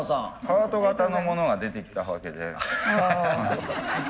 ハート形のものが出てきたわけで。